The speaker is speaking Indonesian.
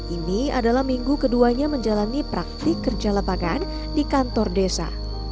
ini adalah minggu keduanya menjalani praktik kerja lapangan di kantor desa